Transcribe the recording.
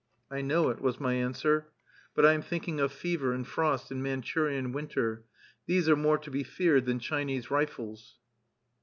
"I know it," was my answer; "but I am thinking of fever and frost and Manchurian winter: these are more to be feared than Chinese rifles(1)."